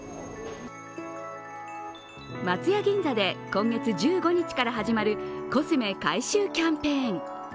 松屋銀座で今月１５日から始まるコスメ回収キャンペーン。